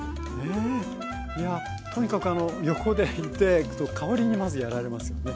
いやとにかく横でいて香りにまずやられますよね。